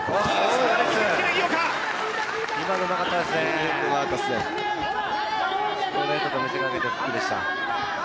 ストレートと見せかけてフックでした。